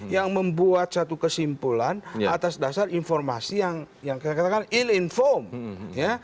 yang membuat satu kesimpulan atas dasar informasi yang saya katakan earl informed ya